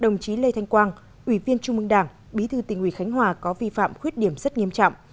đồng chí lê thanh quang ủy viên trung mương đảng bí thư tỉnh hòa bình có vi phạm khuyết điểm rất nghiêm trọng